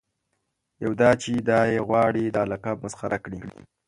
یو دا چې دای غواړي دا لقب مسخره کړي.